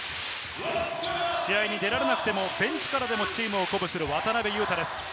試合に出られなくても、ベンチからでもチームを鼓舞する渡邊雄太です。